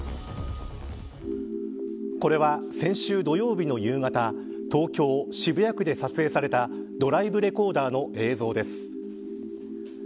これは先週土曜日の夕方東京、渋谷区で撮影されたドライブレコーダーの映像です。